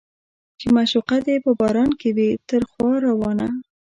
چې معشوقه دې په باران کې وي تر خوا روانه